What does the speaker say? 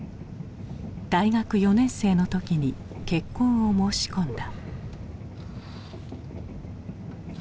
大学４年生の時に結婚を申し込んだ。